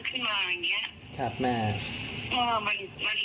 ฉันยังล้อให้ทุกวัน